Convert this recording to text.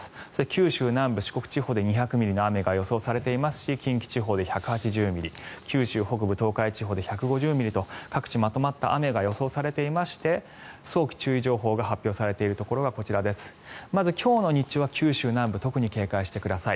九州南部、四国地方で２００ミリの雨が予想されていますし近畿地方で１８０ミリ九州北部、東海地方で１５０ミリと各地まとまった雨が予想されていまして早期注意情報が発表されているところがこちらです、まず今日の日中は九州南部特に警戒してください。